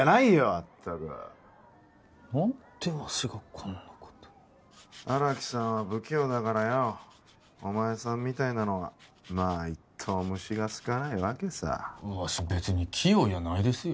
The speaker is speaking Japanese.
まったく何でわしがこんなこと荒木さんは不器用だからよお前さんみたいなのはまあいっとう虫が好かないわけさわし別に器用やないですよ